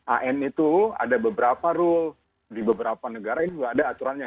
an itu ada beberapa rule di beberapa negara ini tidak ada aturannya